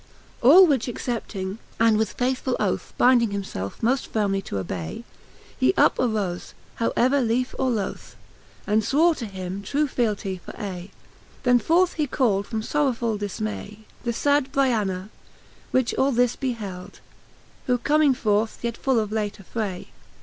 XLIV. All which accepting, and with faithfull oth Bynding himfelfe moft firmely to obay, He up arofe, how ever liefe or loth . And fwore to him true fealtie for aye. Then forth he cald from forrowfuU difmay" The fad Br'tana^ which all this beheld; Who comming forth yet full of late affray